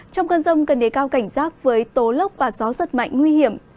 trong cơn rông cần đề cao cảnh giác với tố lốc và gió giật mạnh nguy hiểm